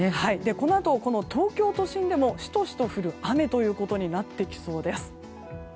このあと、東京都心でもしとしと降る雨になってきそうです。